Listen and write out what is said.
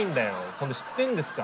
そんで知ってんですか？